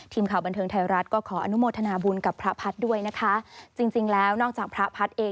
ทีมข่าวบันเทิงไทยรัฐก็ขออนุโมทนาบุญกับพระพัฒน์ด้วยนะคะจริงจริงแล้วนอกจากพระพัฒน์เอง